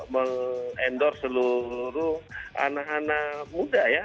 meng endorse seluruh anak anak muda ya